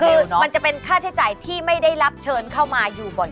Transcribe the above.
คือมันจะเป็นค่าใช้จ่ายที่ไม่ได้รับเชิญเข้ามาอยู่บ่อย